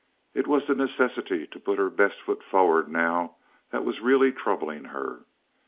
It was the necessity to put her best foot forward now that was really troubling her.